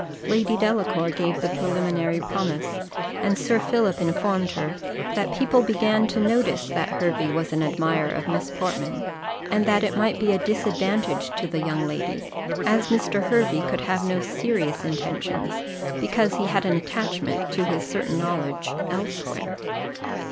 Lady Delacour gave the preliminary promise, and Sir Philip informed her, that people began to take notice that Hervey was an admirer of Miss Portman, and that it might be a disadvantage to the young lady, as Mr. Hervey could have no serious intentions, because he had an attachment, to his certain knowledge, elsewhere.